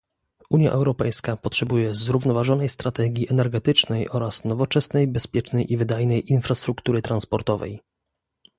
Unia Europejska potrzebuje zrównoważonej strategii energetycznej oraz nowoczesnej, bezpiecznej i wydajnej infrastruktury transportowej